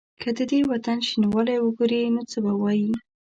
که د دې وطن شینوالی وګوري نو څه به وايي؟